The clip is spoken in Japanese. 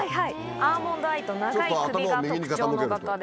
アーモンドアイと長い首が特徴の画家で。